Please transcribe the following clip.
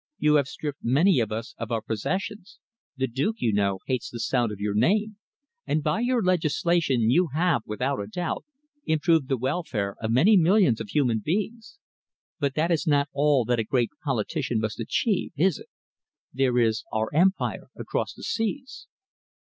You have stripped many of us of our possessions the Duke, you know, hates the sound of your name and by your legislation you have, without a doubt, improved the welfare of many millions of human beings. But that is not all that a great politician must achieve, is it? There is our Empire across the seas."